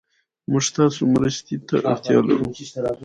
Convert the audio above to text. موږ تاسو مرستې ته اړتيا لرو